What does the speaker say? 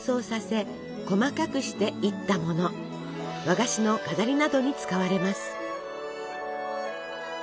和菓子の飾りなどに使われます。